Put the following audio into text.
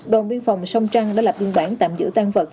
đồn biên phòng sông trăng đã lập biên bản tạm giữ tan vật